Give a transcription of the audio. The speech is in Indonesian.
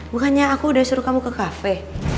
bukannya aku udah suruh kamu ke kafe